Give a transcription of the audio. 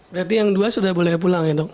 berarti yang dua sudah boleh pulang ya dok